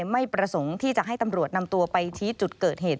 ไม่ประสงค์ที่จะให้ตำรวจนำตัวไปชี้จุดเกิดเหตุ